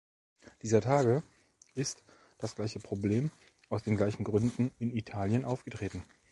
Dieser Tage ist das gleiche Problem aus den gleichen Gründen in Italien aufgetreten.